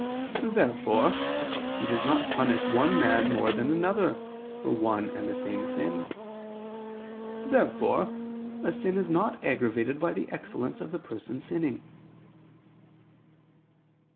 Therefore He does not punish one man more than another, for one and the same sin. Therefore a sin is not aggravated by the excellence of the person sinning.